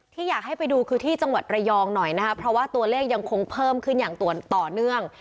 อยากให้ไปดูคือที่จังหวัดระยองหน่อยนะคะเพราะว่าตัวเลขยังคงเพิ่มขึ้นอย่างต่อเนื่อง